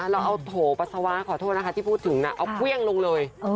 เราเอาโถประสาวะขอโทษนะคะที่พูดถึงนะเอากวี้ยงลงเลย